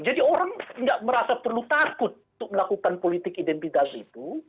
jadi orang tidak merasa perlu takut untuk melakukan politik identitas itu